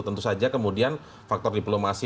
tentu saja kemudian faktor diplomasi